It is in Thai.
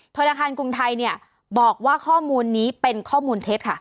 ธนาคารกรุงไทยเนี่ยบอกว่าข้อมูลนี้เป็นข้อมูลเท็จค่ะ